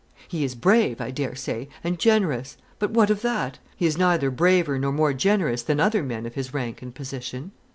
He is brave, I dare say, and generous; but what of that? He is neither braver nor more generous than other men of his rank and position."